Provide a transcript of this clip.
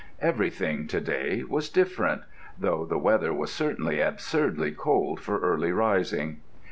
Everything, to day, was different, though the weather was certainly absurdly cold for early rising.